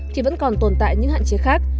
thì vẫn còn tồn tại những hạn chế khác